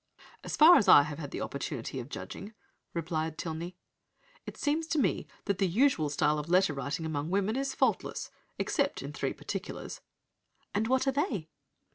"'As far as I have had opportunity of judging,' replies Tilney, 'it appears to me that the usual style of letter writing among women is faultless, except in three particulars.' "'And what are they?'